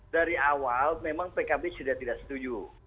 dari awal memang pkb sudah tidak setuju